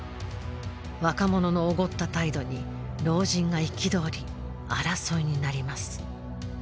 若者のおごった態度に老人が憤り争いになります。